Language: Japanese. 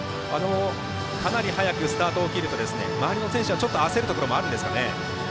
かなり速くスタートを切ると周りの選手は焦るところありますかね。